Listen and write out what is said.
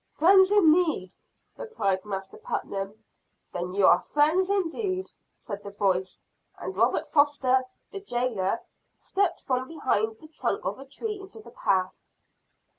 "Friends in need," replied Master Putnam. "Then ye are friends indeed," said the voice; and Robert Foster, the jailer, stepped from behind the trunk of a tree into the path.